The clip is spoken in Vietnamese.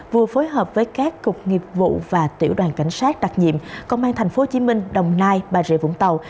vừa phối hợp với các cục nghiệp vụ và tiểu đoàn cảnh sát đặc nhiệm công an tp hcm đồng nai bà rịa vũng tàu